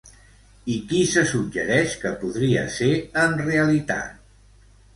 I qui se suggereix que podria ser, en realitat?